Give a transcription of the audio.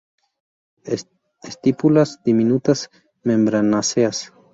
Estípulas diminutas, membranáceas.